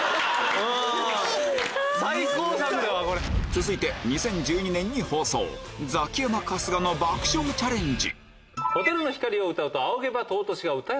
続いて２０１２年に放送ザキヤマ春日の爆笑チャレンジ